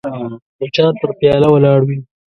مچان پر پیاله ولاړ وي